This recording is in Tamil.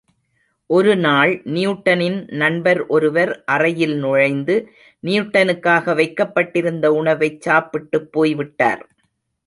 ஒரு நாள் நியூட்டனின் நண்பர் ஒருவர் அறையில் நுழைந்து, நியூட்டனுக்காக வைக்கப்பட்டிருந்த உணவைச் சாப்பிட்டுப் போய் விட்டார்.